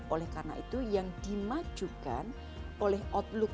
oleh karena itu yang dimajukan oleh outlook